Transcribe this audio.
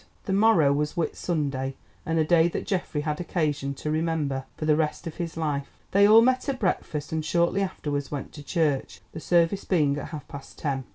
The morrow was Whit Sunday, and a day that Geoffrey had occasion to remember for the rest of his life. They all met at breakfast and shortly afterwards went to church, the service being at half past ten.